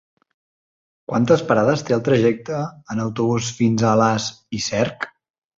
Quantes parades té el trajecte en autobús fins a Alàs i Cerc?